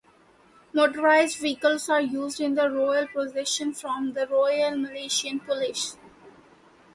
Motorized vehicles are used in the Royal Procession from the Royal Malaysian Police.